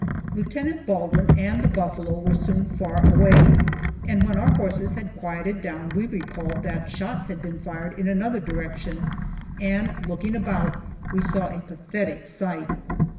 Lieutenant Baldwin and the buffalo were soon far away, and when our horses had quieted down we recalled that shots had been fired in another direction, and looking about, we saw a pathetic sight.